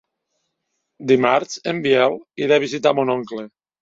Dimarts en Biel irà a visitar mon oncle.